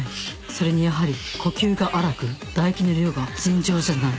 それにやはり呼吸が荒く唾液の量が尋常じゃない